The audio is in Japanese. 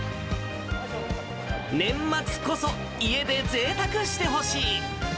年末こそ、家でぜいたくしてほしい。